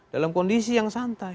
dalam kondisi yang santai